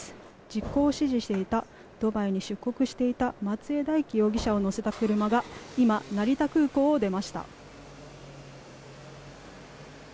実行を指示していたドバイに出国していた松江大樹容疑者を乗せた車が今、成田空港を出ました。